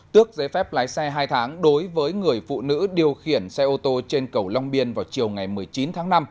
tước giấy phép lái xe hai tháng đối với người phụ nữ điều khiển xe ô tô trên cầu long biên vào chiều ngày một mươi chín tháng năm